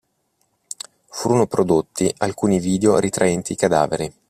Furono prodotti alcuni video ritraenti i cadaveri.